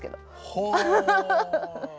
ほう。